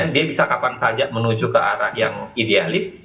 dia bisa kapan saja menuju ke arah yang idealis